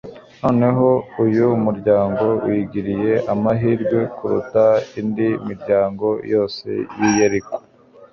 noneho, uyu muryango wigiriye amahirwe kuruta indi miryango yose y'i Yeriko,